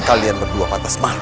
kalian berdua pantas mati